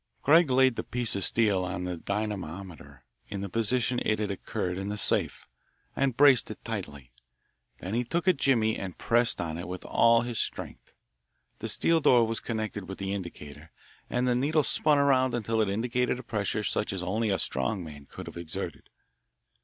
Craig laid the piece of steel on the dynamometer in the position it had occupied in the safe, and braced it tightly. Then he took a jimmy and pressed on it with all his strength. The steel door was connected with the indicator, and the needle spun around until it indicated a pressure such as only a strong man could have exerted.